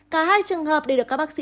cả hai trường hợp để được các bác sĩ